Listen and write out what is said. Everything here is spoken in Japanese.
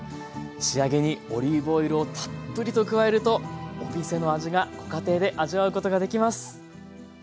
仕上げにオリーブオイルをたっぷりと加えるとお店の味がご家庭で味わうことができます。